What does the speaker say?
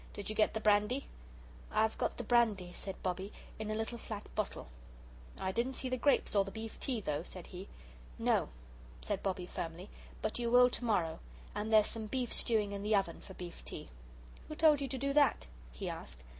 "Did you get the brandy?" "I've got the brandy," said Bobbie, "in a little flat bottle." "I didn't see the grapes or the beef tea, though," said he. "No," said Bobbie, firmly, "but you will to morrow. And there's some beef stewing in the oven for beef tea." "Who told you to do that?" he asked.